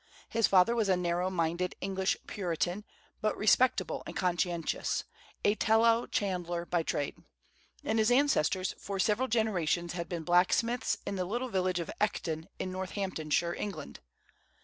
His father was a narrow minded English Puritan, but respectable and conscientious, a tallow chandler by trade; and his ancestors for several generations had been blacksmiths in the little village of Ecton in Northamptonshire, England.